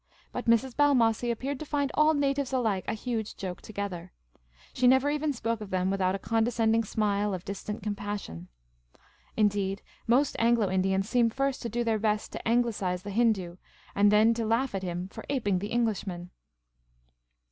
But Mrs. Balniossie appeared to find all natives alike a huge joke together. She never even spoke of them without a condescending smile of distant compassion. Indeed, most Anglo Indians seem first to do their best to Anglicise the Hindoo, and then to laugh at him for aping the Englishman.